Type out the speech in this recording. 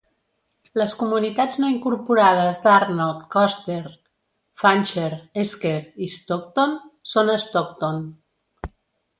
Les comunitats no incorporades d'Arnott, Custer, Fancher, Esker i Stockton són a Stockton.